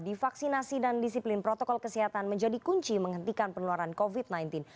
divaksinasi dan disiplin protokol kesehatan menjadi kunci menghentikan pandemi